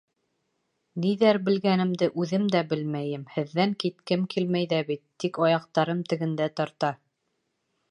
— Ниҙәр белгәнемде үҙем дә белмәйем! һеҙҙән киткем килмәй ҙә бит, тик аяҡтарым тегендә тарта.